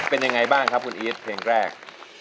เป็นยังไงบ้างครับคุณอีทเพลงแรก